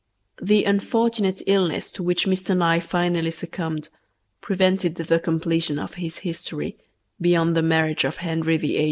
The unfortunate illness to which Mr. Nye finally succumbed prevented the completion of his history beyond the marriage of Henry VIII.